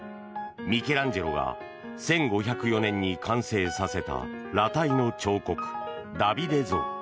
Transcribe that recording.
ミケランジェロが１５０４年に完成させた裸体の彫刻、ダビデ像。